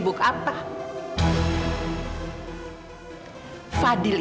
tidak pak fadil